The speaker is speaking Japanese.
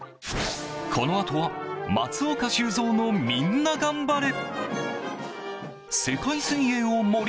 このあとは松岡修造のみんながん晴れ。